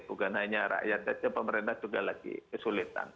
bukan hanya rakyat saja pemerintah juga lagi kesulitan